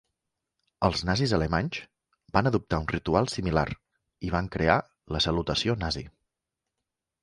Els nazis alemanys van adoptar un ritual similar i van crear la salutació nazi.